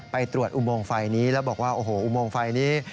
ไปตรวจอุโมงไฟนี้แล้วบอกว่าโอ้โหอุโมงไฟนี้